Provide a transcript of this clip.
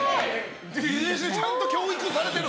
ちゃんと教育されてる！